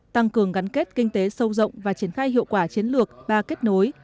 tăng cường gắn kết kinh tế sâu rộng và triển khai hiệu quả chiến lược ba kết nối